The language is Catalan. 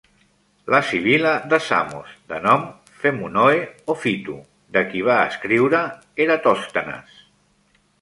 La sibil·la de Samos, de nom Phemonoe, o Phyto, de qui va escriure Eratòstenes.